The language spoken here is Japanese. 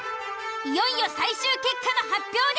いよいよ最終結果の発表です。